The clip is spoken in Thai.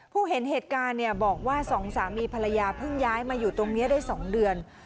เห็นเหตุการณ์บอกว่าสองสามีภรรยาเพิ่งย้ายมาอยู่ตรงนี้ได้๒เดือน